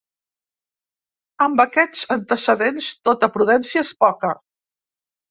Amb aquests antecedents, tota prudència és poca.